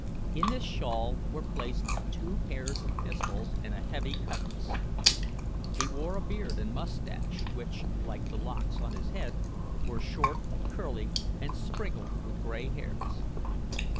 In this shawl were placed two pairs of pistols and a heavy cutlass. He wore a beard and moustache, which, like the locks on his head, were short, curly, and sprinkled with grey hairs.